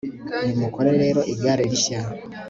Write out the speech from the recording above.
nimukore rero igare rishya